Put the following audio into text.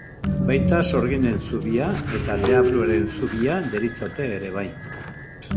Baita Sorginen zubia eta Deabruaren zubia deritzote ere bai.